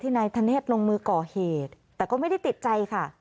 นายธเนธลงมือก่อเหตุแต่ก็ไม่ได้ติดใจค่ะ